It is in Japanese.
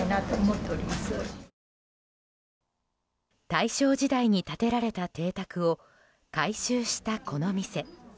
大正時代に建てられた邸宅を改修した、この店。